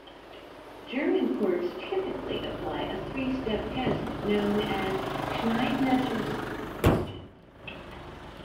German courts typically apply a three-step test known as Schneidmesser's questions.